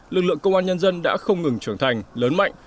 lực lượng công an nhân dân đã không ngừng trưởng thành lớn mạnh